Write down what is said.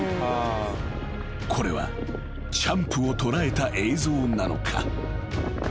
［これはチャンプを捉えた映像なのか？］